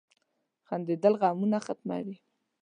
• خندېدل غمونه ختموي.